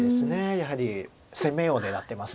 やはり攻めを狙ってます